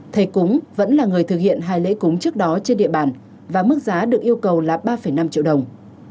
thầy cúng vẫn là người thực hiện hai lễ cúng trước đó trên địa bàn và mức giá được yêu cầu là ba năm triệu đồng